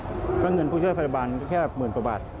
เพราะเงินผู้ช่วยพยาบาลแค่หมื่นกว่าบาท